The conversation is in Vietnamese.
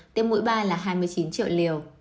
tiêm mũi ba là hai mươi chín triệu liều